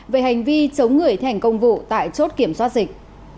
về hành vi chống người thành công vụ tại chốt kiểm soát dịch